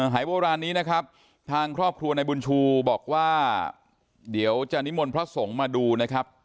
หายโบราณนี้นะครับทางครอบครัวนายบุญชูบอกว่าเดี๋ยวจะนิมนต์พระสงฆ์มาดูนะครับ